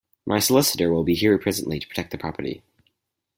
My solicitor will be here presently to protect the property.